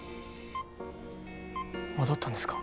戻ったんですか？